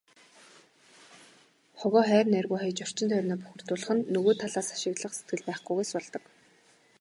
Хогоо хайр найргүй хаяж, орчин тойрноо бохирдуулах нь нөгөө талаас ашиглах сэтгэл байхгүйгээс болдог.